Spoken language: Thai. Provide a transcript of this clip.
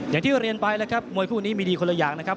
อย่างที่เรียนไปแล้วครับมวยคู่นี้มีดีคนละอย่างนะครับ